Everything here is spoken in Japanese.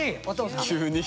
・急に？